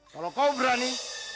kalau kau berani